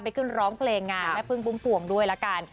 ขึ้นร้องเพลงงานแม่พึ่งพุ่มพวงด้วยละกัน